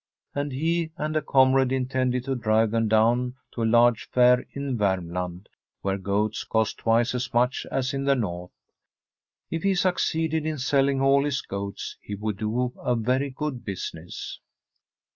And he and a comrade intended to drive them down to a large fair in Vermland, where goats cost twice as much as in the north. If he succeeded in selling all his goats, he would do a very good business.